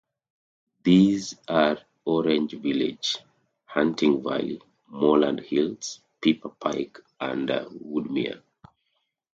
These are Orange Village, Hunting Valley, Moreland Hills, Pepper Pike and Woodmere.